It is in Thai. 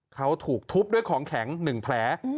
เขาถูกทุบด้วยของแข็ง๑แผล